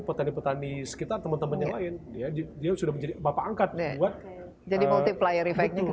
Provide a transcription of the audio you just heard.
petani petani sekitar temen temen yang lain dia dia sudah menjadi bapak angkat jadi multiplayer